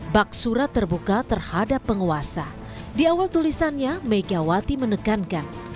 bak surat terbuka terhadap penguasa di awal tulisannya megawati menekankan